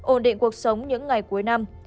ổn định cuộc sống những ngày cuối năm